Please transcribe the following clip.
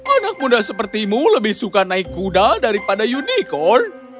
anak muda sepertimu lebih suka naik kuda daripada unicorn